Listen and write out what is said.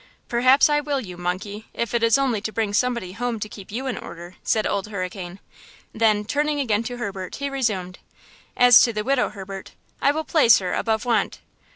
"Perhaps I will, you monkey, if it is only to bring somebody home to keep you in order," said Old Hurricane; then, turning again to Herbert, he resumed: "As to the widow, Herbert, I will place her above want."